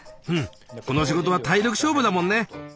うんこの仕事は体力勝負だもんね。